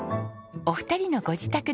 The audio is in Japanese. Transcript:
お二人のご自宅です。